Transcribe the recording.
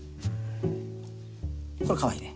これかわいいね。